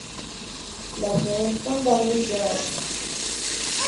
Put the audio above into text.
La sede del condado es Wray.